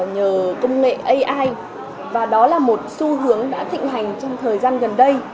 nhờ công nghệ ai và đó là một xu hướng đã thịnh hành trong thời gian gần đây